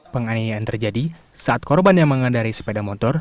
penganiayaan terjadi saat korban yang mengendari sepeda motor